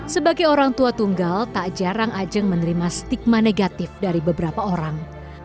sebagai orang tua tunggal tak jarang ajeng menerima stigma negatif dari beberapa orang